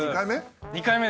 ２回目？